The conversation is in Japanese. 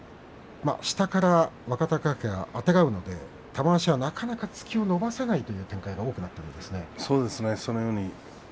下から若隆景があてがうので玉鷲はなかなか突きを伸ばせないという展開が多くなっていますね。